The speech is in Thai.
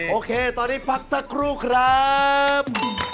โอเคตอนนี้พักสักครู่ครับ